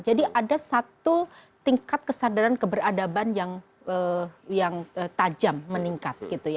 jadi ada satu tingkat kesadaran keberadaban yang tajam meningkat